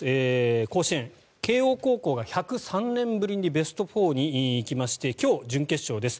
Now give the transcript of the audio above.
甲子園慶応高校が１０３年ぶりにベスト４に行きまして今日、準決勝です。